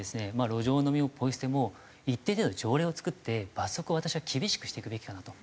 路上飲みもポイ捨ても一定程度条例を作って罰則を私は厳しくしていくべきかなと。